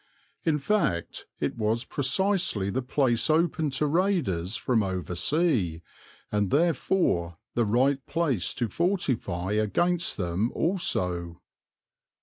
In fact it was precisely the place open to raiders from over sea, and therefore the right place to fortify against them also.